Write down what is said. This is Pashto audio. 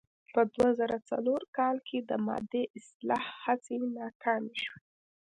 په دوه زره څلور کال کې د مادې اصلاح هڅې ناکامې شوې.